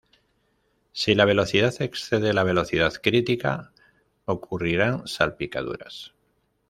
Si la velocidad excede la velocidad crítica, ocurrirán salpicaduras.